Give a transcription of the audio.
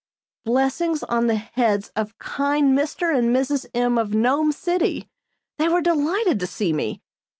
Blessings on the heads of kind Mr. and Mrs. M. of Nome City! They were delighted to see me.